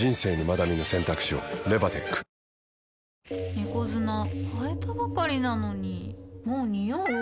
猫砂替えたばかりなのにもうニオう？